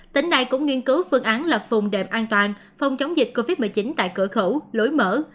tỉnh này cũng nghiên cứu phương án lập phùng đệm an toàn phòng chống dịch covid một mươi chín tại cửa khẩu lối mở